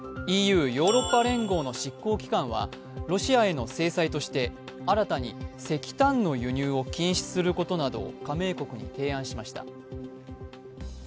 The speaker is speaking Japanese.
ＥＵ＝ヨーロッパ連合の執行機関はロシアへの制裁として新たに石炭の輸入を禁止することなどを加盟国に提案しました。